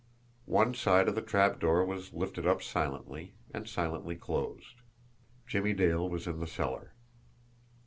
One side of the trapdoor was lifted up silently and silently closed. Jimmie Dale was in the cellar.